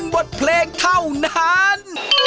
บทเพลงเท่านั้น